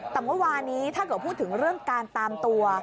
แต่เมื่อวานี้ถ้าเกิดพูดถึงเรื่องการตามตัว